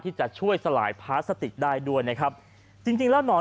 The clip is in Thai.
ที่จะช่วยสลายพลาสติกได้ด้วยนะครับจริงจริงแล้วหนอน